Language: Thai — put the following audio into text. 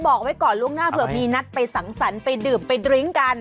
บอกไว้ก่อนล่วงหน้าเผื่อมีนัดไปสังสรรค์ไปดื่มไปดริ้งกัน